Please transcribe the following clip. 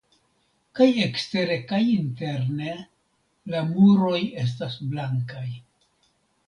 Kaj ekstere kaj interne la muroj estas blankaj.